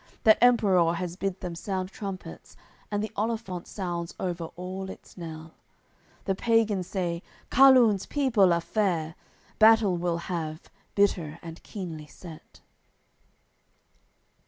That Emperour has bid them sound trumpets; And the olifant sounds over all its knell. The pagans say: "Carlun's people are fair. Battle we'll have, bitter and keenly set."